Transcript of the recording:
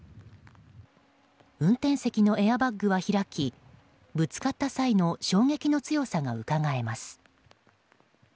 運転席のエアバッグは開きぶつかった際の衝撃の強さがうかがえます。